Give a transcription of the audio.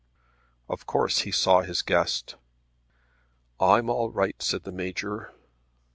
Of course he saw his guest. "I'm all right," said the Major.